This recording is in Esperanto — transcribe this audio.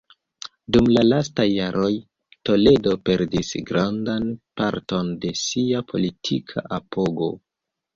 Dum la lastaj jaroj, Toledo perdis grandan parton de sia politika apogo.